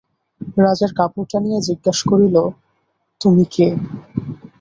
রাজার কাপড় টানিয়া জিজ্ঞাসা করিল, তুমি কে?